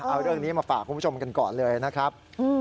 เอาเรื่องนี้มาฝากคุณผู้ชมกันก่อนเลยนะครับ